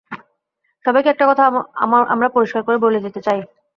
সবাইকে একটা কথা আমরা পরিষ্কার করে বলে দিতে চাই।